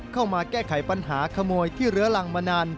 เข้ามาแก้ไขปัญหาขโมยที่เรื้อรังมานาน